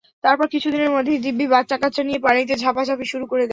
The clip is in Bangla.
তারপর কিছুদিনের মধ্যেই দিব্যি বাচ্চা কাচ্চা নিয়ে পানিতে ঝাঁপাঝাঁপি শুরু করে দেয়।